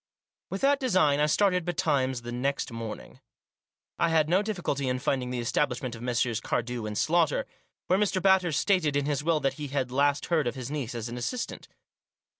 With that design I started betimes the next morning. I had no difficulty in finding the estab lishment of Messrs. Cardew and Slaughter, where Mr. Batters stated in his will that he had last heard of his niece as an assistant.